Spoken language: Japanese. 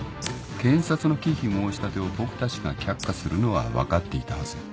検察の忌避申し立てを僕たちが却下するのは分かっていたはず。